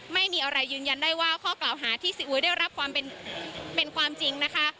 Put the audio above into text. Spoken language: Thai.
ไม่มีอะไรยืนยันได้ว่าข้อกล่าวหาที่ซีอุ๊ยได้รับความเป็นความจริงนะคะ